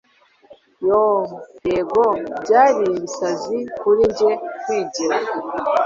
yoo! yego! byari ibisazi kuri njye kwigira